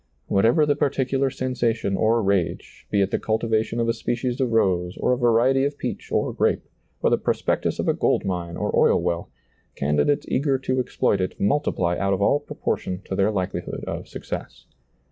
Whatever the particular sensation or rage, be it the cultivation of a species of rose or a variety of peach or grape, or the prospectus of a gold mine or oil well, candidates ^lailizccbvGoOgle 158 SEEING DARKLY eager to exploit it multiply out of all proportion to their likelihood of success.